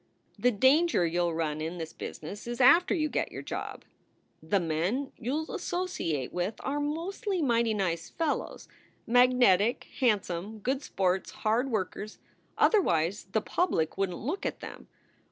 "The danger you ll run in this business is after you get your job. The men you associate with are mostly mighty nice fellows, magnetic, handsome, good sports, hard workers; otherwise the public wouldn t look at them.